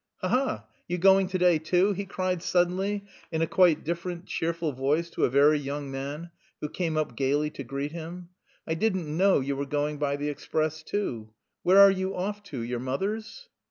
Ha ha, you going to day too?" he cried suddenly in a quite different, cheerful voice to a very young man, who came up gaily to greet him. "I didn't know you were going by the express too. Where are you off to... your mother's?"